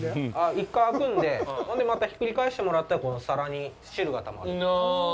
１回開くんで、ほんでまたひっくり返してもらったら皿に汁がたまって。